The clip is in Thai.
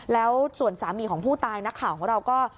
แล้วส่วนสามีของผู้ตายนักข่าวของเราก็